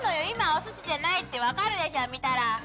今おすしじゃないって分かるでしょ見たら！